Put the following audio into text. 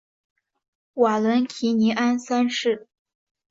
瓦伦提尼安三世。